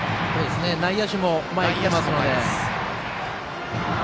内野手も前に来ていますので。